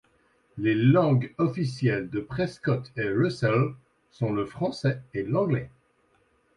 Les langues officielles de Prescott et Russell sont le français et l'anglais.